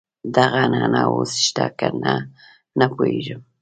دغه عنعنه اوس شته کنه نه پوهېږم.